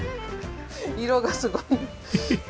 色がすごい。